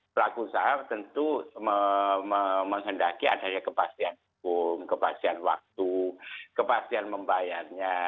pelaku usaha tentu menghendaki adanya kepastian hukum kepastian waktu kepastian membayarnya